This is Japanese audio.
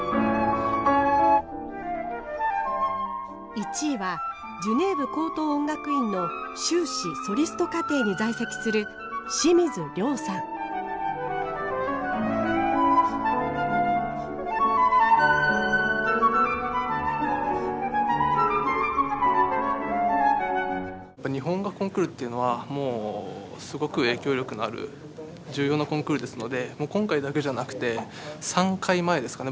１位はジュネーブ高等音楽院の修士ソリスト課程に在籍するやっぱ日本音楽コンクールっていうのはもうすごく影響力のある重要なコンクールですのでもう今回だけじゃなくて３回前ですかね